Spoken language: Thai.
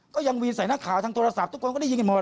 ก็ยังวีนใส่นักข่าวทางโทรศัพท์ทุกคนก็ได้ยินกันหมด